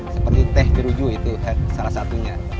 seperti teh jeruju itu salah satunya